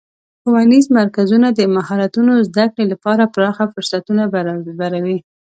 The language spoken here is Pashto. ښوونیز مرکزونه د مهارتونو زدهکړې لپاره پراخه فرصتونه برابروي.